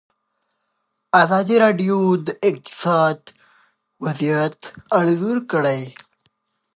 ازادي راډیو د اقتصاد وضعیت انځور کړی.